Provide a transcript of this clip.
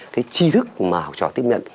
cái chi thức mà học trò tiếp nhận